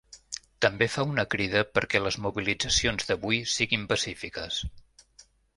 També fa una crida perquè les mobilitzacions d’avui siguin pacífiques.